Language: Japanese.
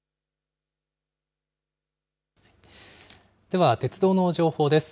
では、鉄道の情報です。